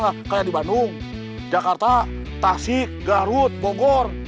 seperti di bandung jakarta tasik garut bogor